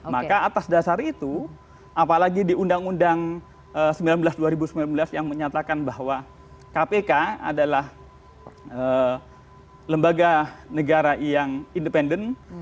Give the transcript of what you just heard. maka atas dasar itu apalagi di undang undang sembilan belas dua ribu sembilan belas yang menyatakan bahwa kpk adalah lembaga negara yang independen